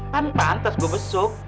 tanteh anteres gue besuk